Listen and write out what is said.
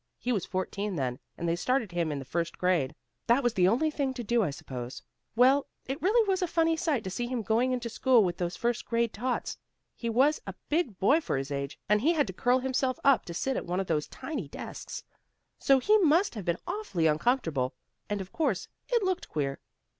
He was fourteen then, and they started him in the first grade. That was the only thing to do, I suppose. Well, it really was a funny sight to see him going into school with those first grade tots. He was a big boy for his age, and he had to curl himself up to sit at one of those tiny desks, so he must have been awfully uncomfortable. And, of course, it looked queer.